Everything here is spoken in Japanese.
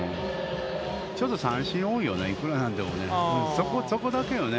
ちょっと三振が多いよね、幾らなんでもね。